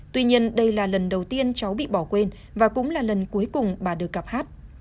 tuy nhiên đây là lần đầu tiên cháu bị bỏ quên và gặp lại bà hát